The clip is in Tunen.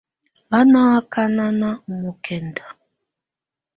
Bá nɔ ákana ɔ mɔkɛnda.